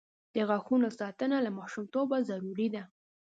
د غاښونو ساتنه له ماشومتوبه ضروري ده.